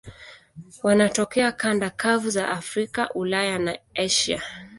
Wanatokea kanda kavu za Afrika, Ulaya na Asia.